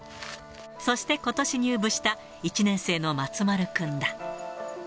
そしてことし入部した１年生の松丸君だ。